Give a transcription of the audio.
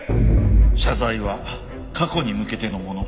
謝罪は過去に向けてのもの。